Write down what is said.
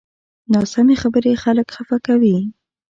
ناسمې خبرې خلک خفه کوي